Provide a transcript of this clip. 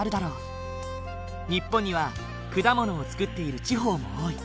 日本には果物を作っている地方も多い。